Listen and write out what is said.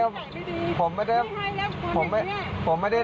พี่ให้แล้วผมไม่ได้ดาครับพี่ผมไม่ได้ดา